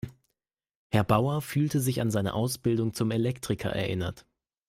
Herr Bauer fühlte sich an seine Ausbildung zum Elektriker erinnert.